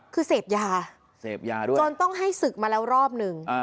คือเสพยาจนต้องให้ศึกมาแล้วรอบหนึ่ง